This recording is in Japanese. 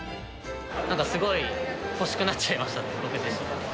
なんかすごい欲しくなっちゃいましたね、僕自身。